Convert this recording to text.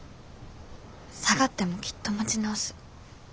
下がってもきっと持ち直す。